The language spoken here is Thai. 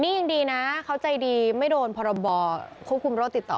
นี่ยังดีนะเขาใจดีไม่โดนพรบควบคุมโรคติดต่อ